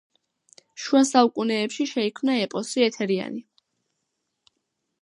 შუა საუკუნეებში შეიქმნა ეპოსი „ეთერიანი“.